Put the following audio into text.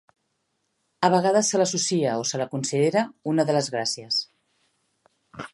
A vegades se l'associa o se la considera una de les Gràcies.